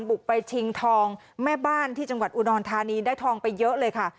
บุกไปชิงทองแม่บ้านที่จังหวัดอุดรธานีได้ทองไปเยอะเลยค่ะ